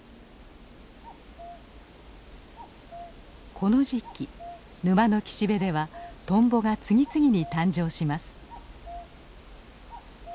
この時期沼の岸辺ではトンボが次々に誕生します。